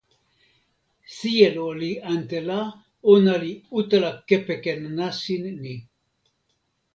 sijelo li ante la, ona li utala kepeken nasin ni.